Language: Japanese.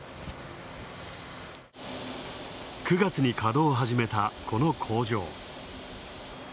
９月に稼働を始めたこの工場。